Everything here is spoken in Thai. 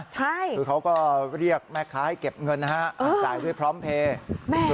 คือเขาก็เรียกแม่ค้าให้เก็บเงินนะฮะจ่ายด้วยพร้อมเพลย์